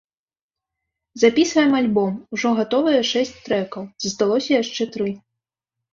Запісваем альбом, ужо гатовыя шэсць трэкаў, засталося яшчэ тры.